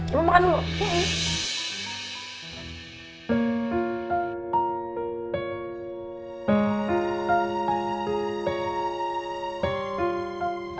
ibu makan dulu